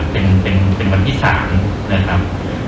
เป็นวันที่สาม